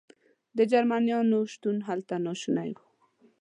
د جرمنیانو شتون هلته ناشونی و.